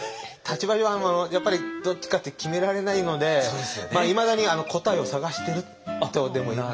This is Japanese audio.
立場上やっぱりどっちかって決められないのでいまだに答えを探してるとでも。